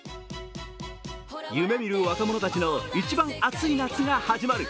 夢見る若者たちの一番暑い夏が始まる。